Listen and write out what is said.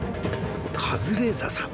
カズレーザーさん